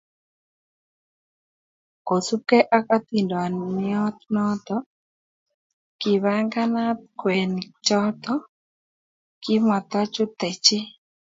Kosubkei ak atindoniot noto, kibanganat kwenik choto, kimatachute chi.